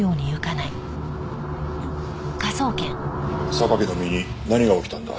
榊の身に何が起きたんだ？